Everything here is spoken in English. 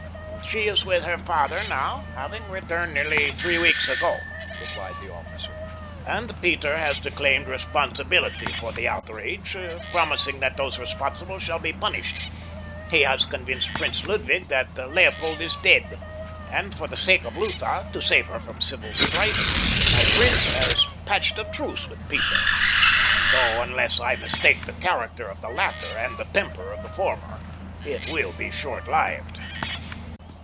"She is with her father now, having returned nearly three weeks ago," replied the officer, "and Peter has disclaimed responsibility for the outrage, promising that those responsible shall be punished. He has convinced Prince Ludwig that Leopold is dead, and for the sake of Lutha—to save her from civil strife—my prince has patched a truce with Peter; though unless I mistake the character of the latter and the temper of the former it will be short lived.